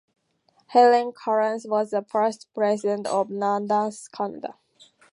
Helen Kearns was the first President of Nasdaq Canada.